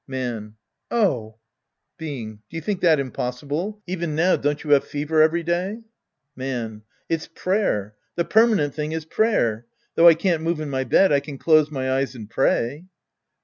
Man. Oh ! Being. Do you think that impossible? Even now don't you have fever every day ? Man. It's prayer. The permanent thing is prayer. Though I can't move in my bed, I can close my eyes and pray.